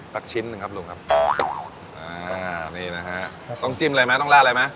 ชิ้นหนึ่งครับลุงครับอ๋ออ่านี่นะฮะต้องจิ้มอะไรไหมต้องลาดอะไรไหม